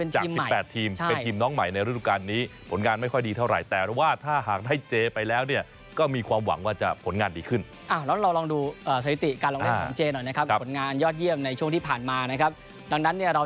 เป็นทีมน้องใหม่ในรูปการณ์นี้ผลงานไม่ค่อยดีเท่าไหร่